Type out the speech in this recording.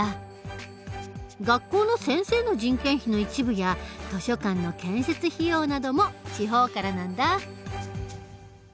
学校の先生の人件費の一部や図書館の建設費用なども地方からなんだ。